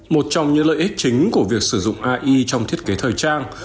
một trong những lợi ích chính của việc sử dụng ai trong thiết kế thời trang